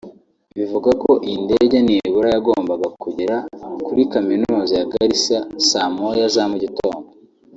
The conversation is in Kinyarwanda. bivuga ko iyi ndege nibura yagombaga kugera kuri Kaminuza ya Garissa saa moya za mu gitondo